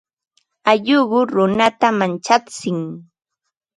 Alluqu runata manchatsin.